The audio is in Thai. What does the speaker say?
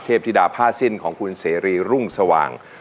ธิดาผ้าสิ้นของคุณเสรีรุ่งสว่าง